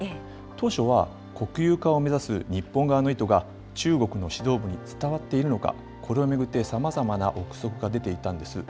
当初は、国有化を目指す日本側の意図が、中国の指導部に伝わっているのか、これを巡ってさまざまな臆測が出ていたんです。